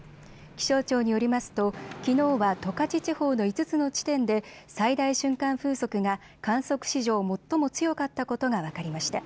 気象庁によりますときのうは十勝地方の５つの地点で最大瞬間風速が観測史上最も強かったことが分かりました。